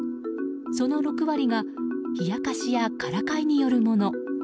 その６割が冷やかしやからかいによるもの。